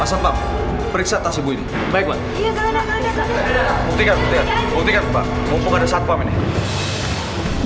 asap periksa tasibu ini